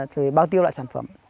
rồi bao tiêu lại sản phẩm